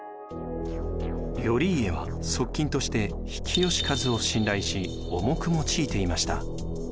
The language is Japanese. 頼家は側近として比企能員を信頼し重く用いていました。